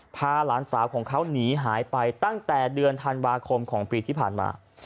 พาหลานสาวของเขาหนีหายไปตั้งแต่เดือนธันวาคมของปีที่ผ่านมา